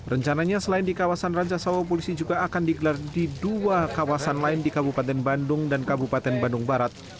rencananya selain di kawasan rancasawa polisi juga akan digelar di dua kawasan lain di kabupaten bandung dan kabupaten bandung barat